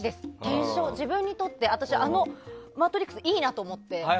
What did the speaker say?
自分にとってあのマトリクス、いいなと思って。